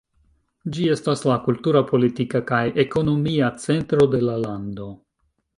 Ĝi estas la kultura, politika kaj ekonomia centro de la lando.